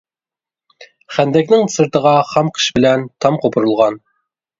خەندەكنىڭ سىرتىغا خام قىش بىلەن تام قوپۇرۇلغان.